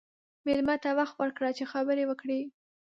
مېلمه ته وخت ورکړه چې خبرې وکړي.